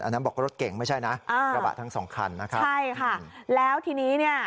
นั้นบอกรถเก่งไม่ใช่นะอ่ากระบะทั้งสองคันนะครับใช่ค่ะแล้วทีนี้เนี่ย